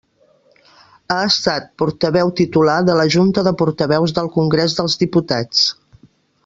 Ha estat portaveu titular de la Junta de Portaveus del Congrés dels Diputats.